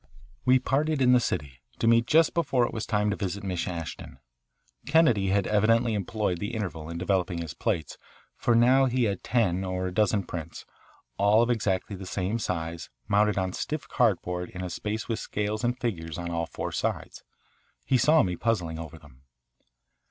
We parted in the city, to meet just before it was time to visit Miss Ashton. Kennedy had evidently employed the interval in developing his plates, for he now had ten or a dozen prints, all of exactly the same size, mounted on stiff cardboard in a space with scales and figures on all four sides. He saw me puzzling over them.